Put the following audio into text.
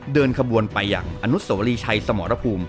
เดินขบวนไปอย่างอนุสวรีชัยสมรภูมิ